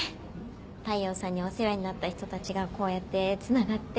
大陽さんにお世話になった人たちがこうやってつながって。